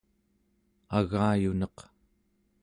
Agayuneq